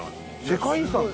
世界遺産？